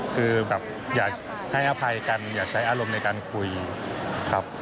คือแบบอย่าให้อภัยกันอย่าใช้อารมณ์ในการคุยครับ